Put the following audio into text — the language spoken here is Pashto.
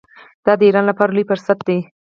دا د ایران لپاره لوی فرصت دی.